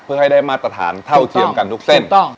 เพื่อให้ได้มาตรฐานเท่าเทียมกันทุกเส้น